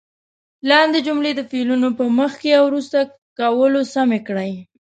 لاندې جملې د فعلونو په مخکې او وروسته کولو سمې کړئ.